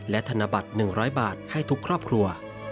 และธนบัตร๑๐๐บาทให้ทุกครอบครัว